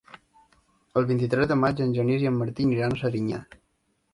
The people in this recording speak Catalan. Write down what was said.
El vint-i-tres de maig en Genís i en Martí aniran a Serinyà.